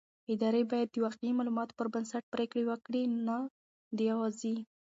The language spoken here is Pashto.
ادارې بايد د واقعي معلوماتو پر بنسټ پرېکړې وکړي نه د اوازې.